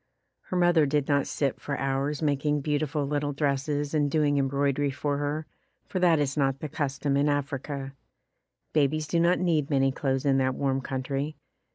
Her mother did not sit for hours making beautiful little dresses and doing embroidery for her, for that is not the custom in Africa. Babies do not need many clothes in that warm country.